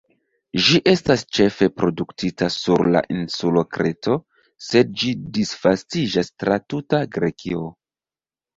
Ĝi estas ĉefe produktita sur la insulo Kreto, sed ĝi disvastiĝas tra tuta Grekio.